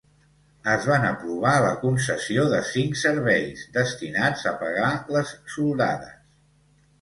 Es van aprovar la concessió de cinc serveis, destinats a pagar les soldades.